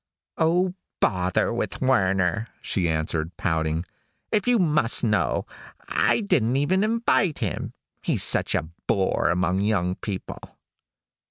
"Oh, bother with Werner," she answered, pouting. "If you must know, I didn't even invite him. He's such a bore among young people."